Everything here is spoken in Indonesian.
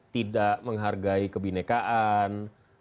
tidak menghargai kebinekaan